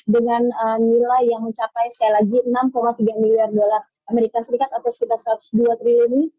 dengan nilai yang mencapai sekali lagi enam tiga miliar dolar amerika serikat atau sekitar satu ratus dua triliun ini